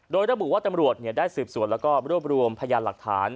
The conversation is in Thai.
โดยระบุว่าตำรวจได้สืบสวนแล้วก็รวบรวมพยานหลักฐาน